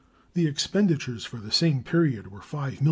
The expenditures for the same period were $5,212,953.